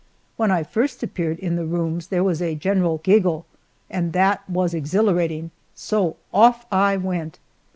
When I first appeared in the rooms there was a general giggle and that was exhilarating, so off I went.